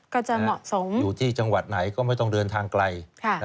ก็จะเหมาะสมอยู่ที่จังหวัดไหนก็ไม่ต้องเดินทางไกล